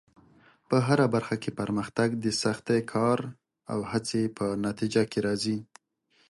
په هره برخه کې پرمختګ د سختې کار او هڅې په نتیجه کې راځي.